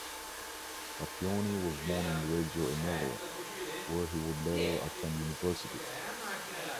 Pacchioni was born in Reggio Emilia, where he would later attend university.